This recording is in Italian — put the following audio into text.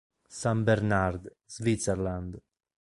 St. Bernard, Switzerland".